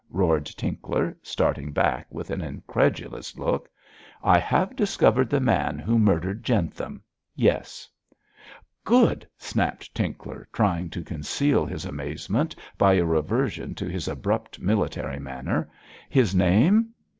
roared Tinkler, starting back with an incredulous look. 'I have discovered the man who murdered Jentham! Yes.' 'Good!' snapped Tinkler, trying to conceal his amazement by a reversion to his abrupt military manner. 'His name?'